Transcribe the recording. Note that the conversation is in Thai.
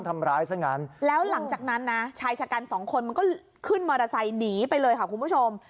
มาถึงก็ลุมกระทืบเตะต่อย